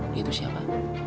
dia tuh siapa